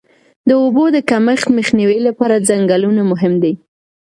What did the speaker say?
د اوبو د کمښت مخنیوي لپاره ځنګلونه مهم دي.